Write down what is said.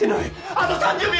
あと３０秒。